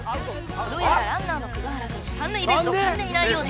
どうやらランナーの久我原くん三塁ベースを踏んでいないようです